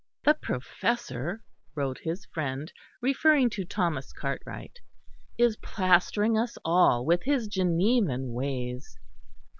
"The Professor," wrote his friend, referring to Thomas Cartwright, "is plastering us all with his Genevan ways.